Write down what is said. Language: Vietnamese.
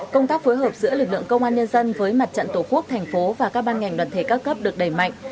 công tác phối hợp giữa lực lượng công an nhân dân với mặt trận tổ quốc thành phố và các ban ngành đoàn thể các cấp được đẩy mạnh